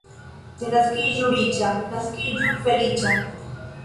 Ne naskiĝu riĉa, naskiĝu feliĉa.